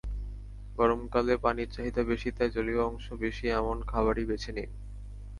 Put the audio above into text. গরমকালে পানির চাহিদা বেশি, তাই জলীয় অংশ বেশি এমন খাবারই বেছে নিন।